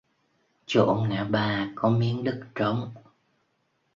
chỗ ngã ba có miếng đất trống